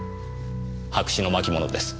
白紙の巻物です。